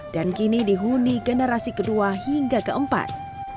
dan kini dihuni generasi kedua hingga keempat